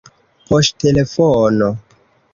poŝtelefono